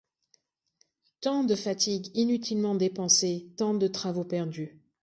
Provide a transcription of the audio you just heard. Tant de fatigues inutilement dépensées, tant de travaux perdus